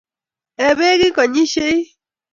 Ee beek kigonyishei